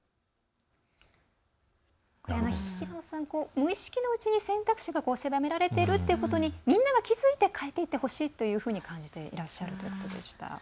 無意識のうちに選択肢が狭められているっていうことにみんなが気付いて変えていってほしいと感じてらっしゃるということでした。